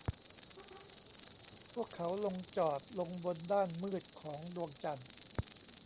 พวกเขาลงจอดลงบนด้านมืดของดวงจันทร์